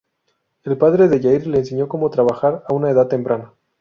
El padre de Yair le enseñó cómo trabajar a una edad temprana.